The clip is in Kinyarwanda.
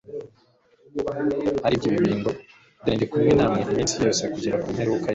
ari byo ibi ngo: " Dore ndi kumwe namwe iminsi yose kugera ku mperuka y'isi."